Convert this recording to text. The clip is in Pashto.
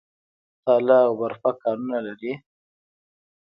تاله او برفک کانونه لري؟